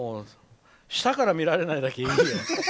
下から見られないだけいいよ。